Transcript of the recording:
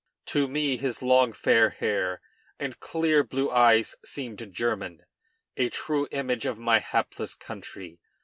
To me his long fair hair and clear blue eyes seemed German. A true image of my hapless country.